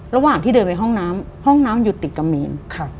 ระหว่างที่เดินไปห้องน้ำห้องน้ำอยู่ติดกับเมน